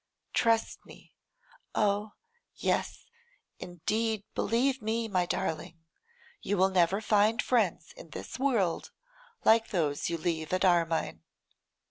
Trust me, oh! yes, indeed believe me, darling, you will never find friends in this world like those you leave at Armine.